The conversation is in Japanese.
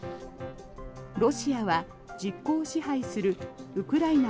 ロシアは実効支配するウクライナ